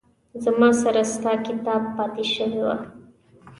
زما سره ستا کتاب پاتې شوي وه